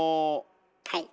はい。